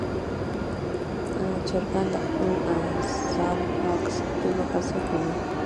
چرګان د خپل ځان پاک ساتلو هڅه کوي.